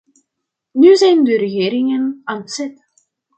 Nu zijn de regeringen aan zet.